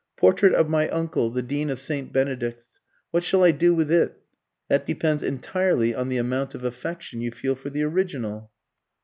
"Portrait of my uncle, the Dean of St. Benedict's. What shall I do with it?" "That depends entirely on the amount of affection you feel for the original."